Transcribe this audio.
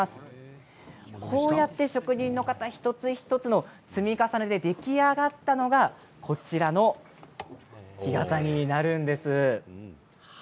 こうやって職人の技一つ一つの積み重ねで出来上がったのがこちらの日傘になるんですね。